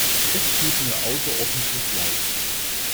Es tut mir außerordentlich Leid.